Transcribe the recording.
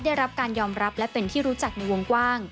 ได้รับการยอมรับและเป็นที่รู้จักในวงกว้าง